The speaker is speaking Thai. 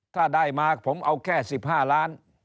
ถ้าได้มาผมเอาแค่๑๕ล้าน